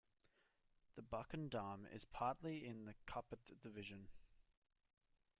The Bakun Dam is based partly in Kapit Division.